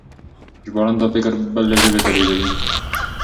ژباړن دا فکر بلې ژبې ته لېږدوي.